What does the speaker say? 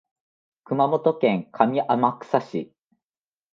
熊本県上天草市